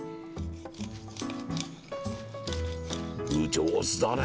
上手だね！